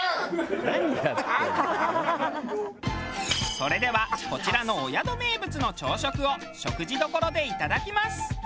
それではこちらのお宿名物の朝食を食事どころでいただきます。